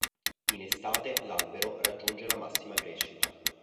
In estate l'albero raggiunge la massima crescita.